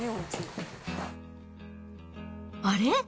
あれ？